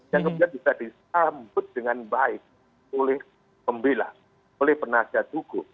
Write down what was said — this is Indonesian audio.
yang kemudian bisa disambut dengan baik oleh pembela oleh penasihat hukum